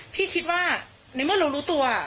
พี่คิดว่าในเมื่อเรารู้ตัว